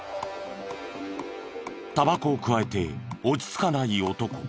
タバコをくわえて落ち着かない男。